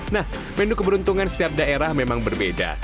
nah menu keberuntungan setiap daerah memang berbeda